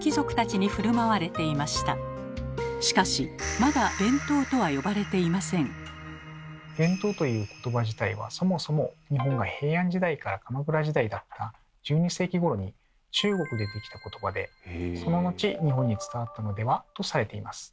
まだ「べんとう」という言葉自体はそもそも日本が平安時代から鎌倉時代だった１２世紀ごろに中国で出来た言葉でその後日本に伝わったのではとされています。